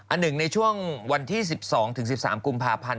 อันหนึ่งในช่วงวันที่๑๒๑๓กุมภาพันธ์